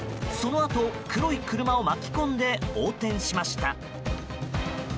そのあと、黒い車を巻き込んで横転しました。